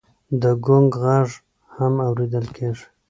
د ګونګ غږ هم اورېدل کېږي.